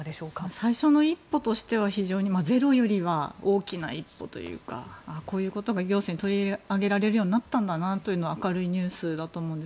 最初の一歩としてはゼロよりは大きな一歩というかこういうことが行政に取り上げられるようになったのは明るいニュースだと思うんです。